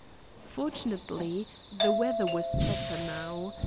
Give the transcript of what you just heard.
Fortunately, the weather was better now.